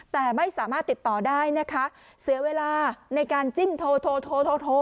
แต่ไม่สามารถติดต่อได้นะคะเสียเวลาในการจิ้มโทรโทโทร